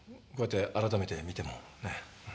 こうやって改めて見てもねえ。